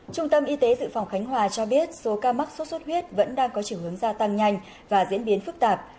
trung tâm y tế dự phòng khánh hòa cho biết số ca mắc sốt xuất huyết vẫn đang có chiều hướng gia tăng nhanh và diễn biến phức tạp